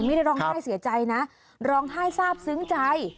ไม่ได้ร้องไห้เสียใจนะร้องไห้ทราบซึ้งใจ